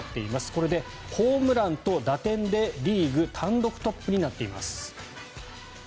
これでホームランと打点でリーグ単独トップになっています。